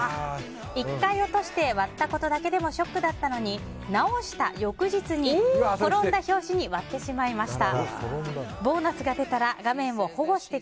１回落として割ったことだけでもショックだったのに直した翌日に、転んだ拍子に割ってしまいました。